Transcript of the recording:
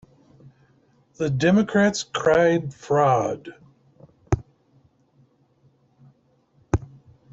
The Democrats cried fraud.